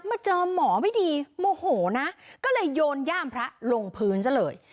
มาเจอหมอไม่ดีโมโหนะก็เลยโยนย่ามพระลงพื้นซะเลย